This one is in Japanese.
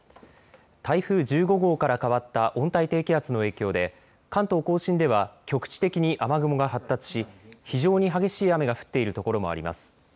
台風１５号から変わった温帯低気圧の影響で関東甲信では局地的に雨雲が発達し非常に激しい雨が降っているところもあります。